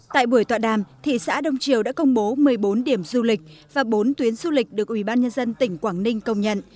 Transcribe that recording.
tại buổi tọa đàm thị xã đông triều đã công bố một mươi bốn điểm du lịch và bốn tuyến du lịch được ủy ban nhân dân tỉnh quảng ninh công nhận